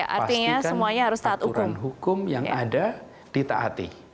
pastikan aturan hukum yang ada ditaati